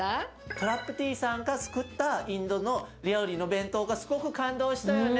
トラプティさんがつくったインドの料理の弁当がすごく感動したよね。